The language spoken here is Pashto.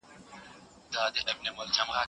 دا ستونزه د نړۍ په ډېرو پوهنتونونو کي لیدل کېږي.